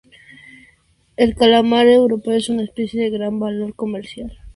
El calamar europeo es una especie de gran valor comercial.